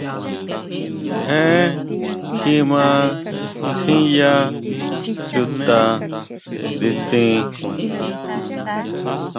Je kjima nkjiya chuta nditsin.